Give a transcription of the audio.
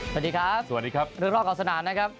สวัสดีครับสวัสดีครับเรื่องรอบขอบสนามนะครับ